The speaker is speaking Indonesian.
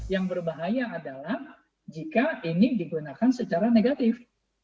yang berbahaya adalah jika ini digunakan secara negatif